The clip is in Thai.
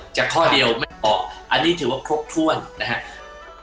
ข้อเดียวไม่ออกอันนี้ถือว่าครบถ้วนนะครับ